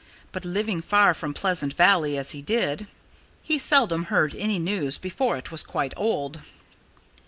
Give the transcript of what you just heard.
But living far from Pleasant Valley as he did, he seldom heard any news before it was quite old.